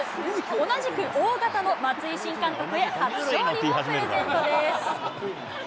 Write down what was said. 同じくＯ型の松井新監督へ初勝利をプレゼントです。